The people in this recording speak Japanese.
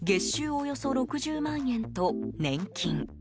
およそ６０万円と年金。